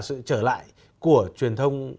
sự trở lại của truyền thông